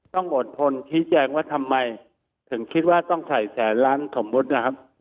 ต้องอดทนชี้แจงว่าทำไมถึงคิดว่าต้องใส่แสนล้านสมมุตินะครับ